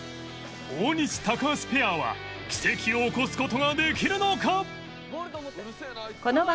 大西高橋ペアは奇跡を起こす事ができるのか？